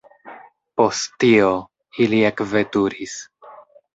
Post tio, ili ekveturis.